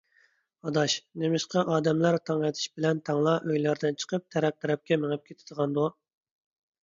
ئاداش، نېمىشقا ئادەملەر تاڭ ئېتىش بىلەن تەڭلا ئۆيلىرىدىن چىقىپ تەرەپ - تەرەپكە مېڭىپ كېتىدىغاندۇ؟